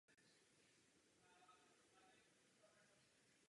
Sociální problémy tuto situaci ještě zhoršují.